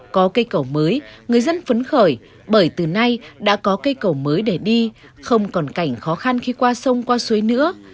có cây cầu mới người dân phấn khởi bởi từ nay đã có cây cầu mới để đi không còn cảnh khó khăn khi qua sông qua suối nữa